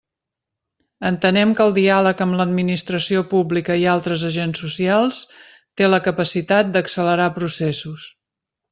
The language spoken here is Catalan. Entenem que el diàleg amb l'administració pública i altres agents socials té la capacitat d'accelerar processos.